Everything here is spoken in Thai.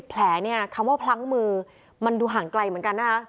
แผลเนี่ยคำว่าพลั้งมือมันดูห่างไกลเหมือนกันนะคะ